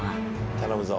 頼むぞ。